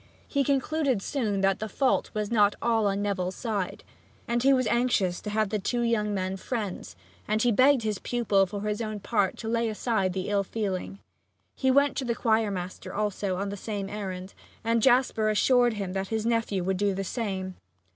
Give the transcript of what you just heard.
He concluded soon that the fault was not all on Neville's side. But he was anxious to have the two young men friends, and he begged his pupil for his own part to lay aside the ill feeling. He went to the choir master also on the same errand, and Jasper assured him that his nephew would do the same.